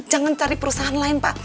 jangan cari perusahaan lain pak